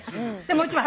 もう一枚。